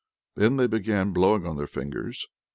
Then they began blowing on their fingers.